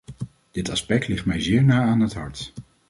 Dit aspect ligt mij zeer na aan het hart.